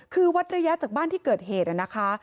คือวัดระยะจากบ้านที่เกิดเหตุนะคะ